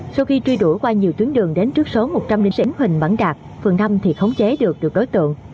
sau khi truy đuổi qua nhiều tuyến đường đến trước số một trăm linh chín huỳnh bản đạt phường năm thì khống chế được được đối tượng